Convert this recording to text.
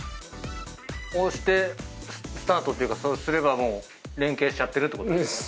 押してスタートっていうかそうすればもう連係してるってことですね。